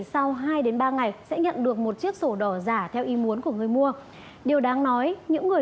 sau hai ba ngày sẽ nhận được một chiếc sổ đỏ giả theo ý muốn của người mua điều đáng nói những người